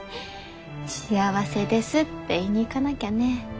幸せですって言いに行かなきゃね。